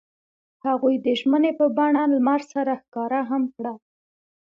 هغوی د ژمنې په بڼه لمر سره ښکاره هم کړه.